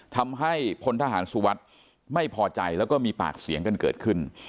ทำให้พลทหารสุวัสดิ์ไม่พอใจแล้วก็มีปากเสียงกันเกิดขึ้น